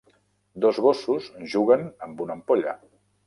Dos gossos juguen amb una ampolla.